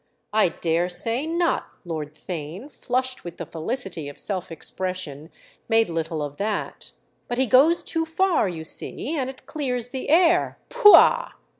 "I dare say not!"—Lord Theign, flushed with the felicity of self expression, made little of that. "But he goes too far, you see, and it clears the air—pouah!